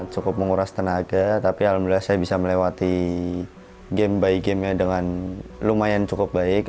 cukup menguras tenaga tapi alhamdulillah saya bisa melewati game by gamenya dengan lumayan cukup baik